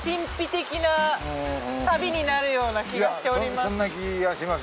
いやそんな気がします